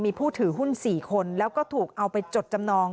มีผู้ถือหุ้น๔คนแล้วก็ถูกเอาไปจดจำนอง